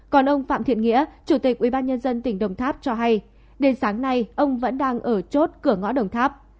còn ông phạm thiện nghĩa chủ tịch ubnd tỉnh đồng tháp cho hay đến sáng nay ông vẫn đang ở chốt cửa ngõ đồng tháp